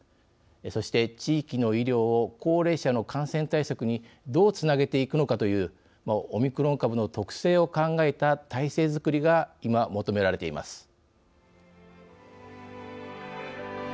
そして地域の医療を高齢者の感染対策にどうつなげていくのかというオミクロン株の特性を考えた体制づくりが今求められています。